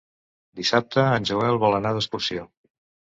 Dissabte en Joel vol anar d'excursió.